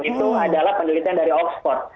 itu adalah penelitian dari oxford